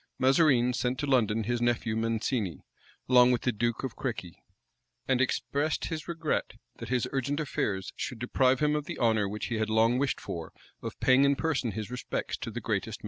[] Mazarine sent to London his nephew Mancini, along with the duke of Crequi; and expressed his regret that his urgent affairs should deprive him of the honor which he had long wished for, of paying in person his respects to the greatest man in the world.